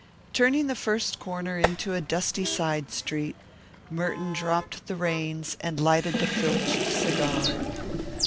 Turning the first corner into a dusty side street, Merton dropped the reins and lighted the filched cigar.